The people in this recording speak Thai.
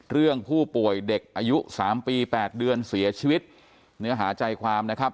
เรื่องผู้ป่วยเด็กอายุ๓ปี๘เดือนเสียชีวิตเนื้อหาใจความนะครับ